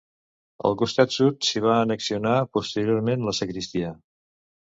Al costat sud s'hi va annexionar posteriorment la sagristia.